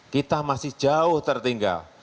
kita masih jauh tertinggal